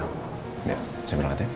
ya saya berangkat ya